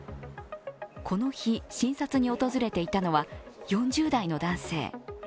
この日、診察に訪れていたのは４０代の男性。